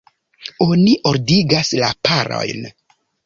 Oni ordigas la parojn.